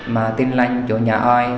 mà tin lạnh chỗ nhà oi